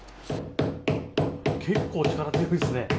結構力強いですね。